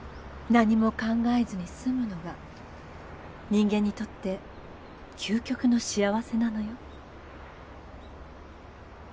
何も考えずに済むのが人間にとって究極の幸せなのよ。